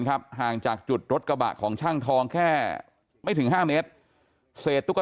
ห่างจากจุดรถกระบะของช่างทองแค่ไม่ถึง๕เมตรเศษตุ๊ก